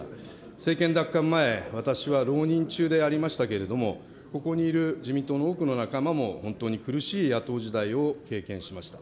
政権奪還前、私は浪人中でありましたけれども、ここにいる自民党の多くの仲間も、本当に苦しい野党時代を経験しました。